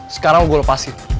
sekarang gue lepasin